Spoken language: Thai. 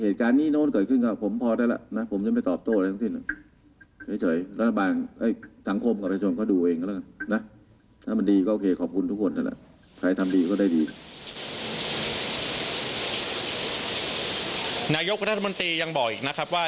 นายกรัฐมนตรียังบอกอีกนะครับว่า